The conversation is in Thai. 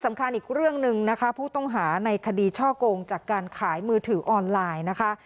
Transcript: อีกเรื่องหนึ่งนะคะผู้ต้องหาในคดีช่อกงจากการขายมือถือออนไลน์นะคะ